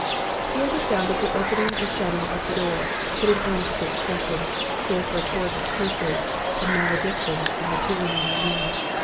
Here the sound of the opening and shutting of the door put an end to the discussion, save for a torrent of curses and maledictions from the two remaining men.